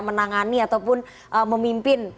menangani ataupun memimpin